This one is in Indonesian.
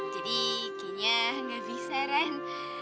jadi kayaknya gak bisa ran